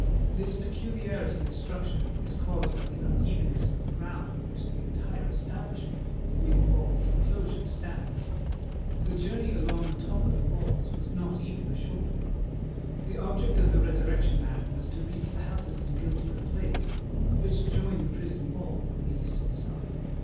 This peculiarity of structure is caused by the unevenness of the ground on which the entire establishment with all its enclosures stands. The journey along the top of the walls was not even a short one. The object of the Resurrection Man was to reach the houses in Guildford Place, which join the prison wall on the eastern side.